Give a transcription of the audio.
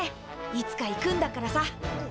いつか行くんだからさ。